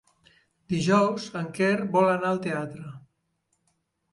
Dijous en Quer vol anar al teatre.